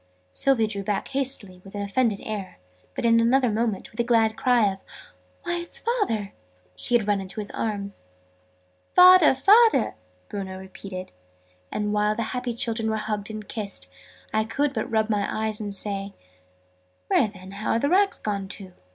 Sylvie drew back hastily, with an offended air: but in another moment, with a glad cry of "Why, it's Father!", she had run into his arms. {Image...A beggar's palace} "Father! Father!" Bruno repeated: and, while the happy children were being hugged and kissed, I could but rub my eyes and say "Where, then, are the rags gone to?"